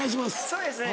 そうですね。